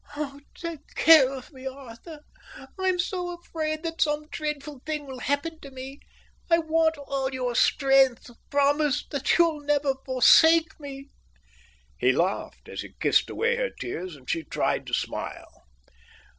"Oh, take care of me, Arthur. I'm so afraid that some dreadful thing will happen to me. I want all your strength. Promise that you'll never forsake me." He laughed, as he kissed away her tears, and she tried to smile.